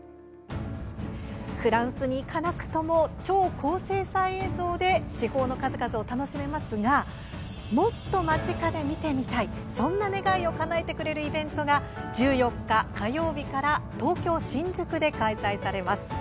フランスに行かなくても超高精細映像で楽しめますがもっと間近で見てみたいそんな願いをかなえてくれるイベントが１４日、火曜日から東京・新宿で開催されます。